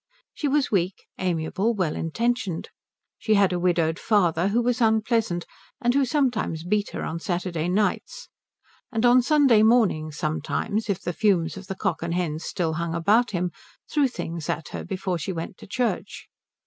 She was weak, amiable, well intentioned. She had a widowed father who was unpleasant and who sometimes beat her on Saturday nights, and on Sunday mornings sometimes, if the fumes of the Cock and Hens still hung about him, threw things at her before she went to church.